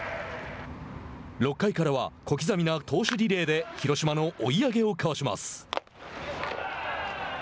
６回からは小刻みな投手リレーで広島の追い上げをかわします。